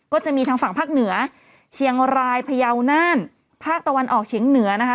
ก็จะมีทางฝั่งภาคเหนือเชียงรายพยาวน่านภาคตะวันออกเฉียงเหนือนะคะ